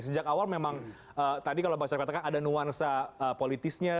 sejak awal memang tadi kalau bang syarif katakan ada nuansa politisnya